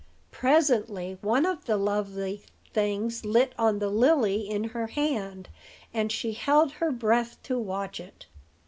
Presently one of the lovely things lit on the lily in her hand, and she held her breath to watch it.